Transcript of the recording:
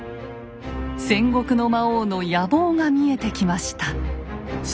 戦国の魔王の野望が見えてきました。